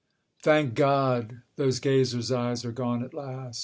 A.D. 304 Thank God! Those gazers' eyes are gone at last!